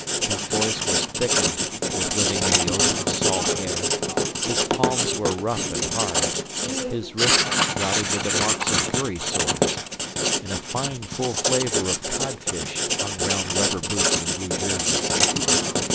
His voice was thickened with living in the open, salt air; his palms were rough and hard, his wrists dotted with marks of gurrysores; and a fine full flavour of codfish hung round rubber boots and blue jersey.